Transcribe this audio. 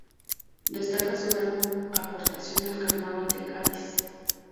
Destaca su gran aportación al Carnaval de Cádiz.